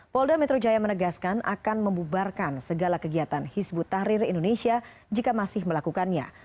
polda metro jaya menegaskan akan membubarkan segala kegiatan hizbut tahrir indonesia jika masih melakukannya